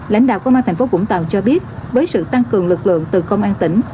lãnh đạo công an thành phố vũng tàu cho biết với sự tăng cường lực lượng từ công an tỉnh